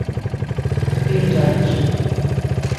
Quinze anys.